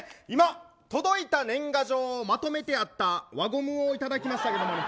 今、届いた年賀状をまとめてあった輪ゴムをいただきましたけど。